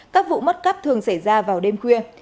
các vụ mất cắp thường xảy ra vào đêm khuya